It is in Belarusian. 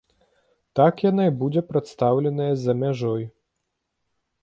Так яна і будзе прадстаўленая за мяжой.